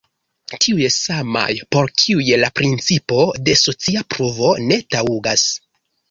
Tiuj samaj, por kiuj la principo de socia pruvo ne taŭgas.